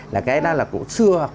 là cái đó là của xưa